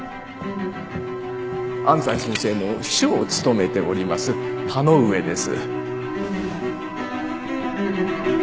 安斎先生の秘書を務めております田之上です。